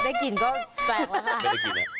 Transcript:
ได้กลิ่นก็แปลกแล้วค่ะ